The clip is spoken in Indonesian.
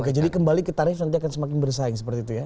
oke jadi kembali ke tarif nanti akan semakin bersaing seperti itu ya